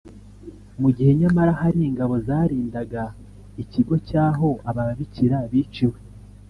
mu gihe nyamara hari ingabo zarindaga ikigo cy’aho aba babikira biciwe